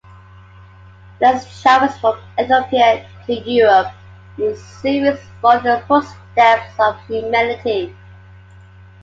Leyers travels from Ethiopia to Europe in this series, "following the footsteps of humanity".